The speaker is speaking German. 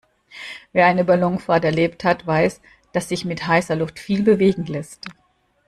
Wer eine Ballonfahrt erlebt hat, weiß, dass sich mit heißer Luft viel bewegen lässt.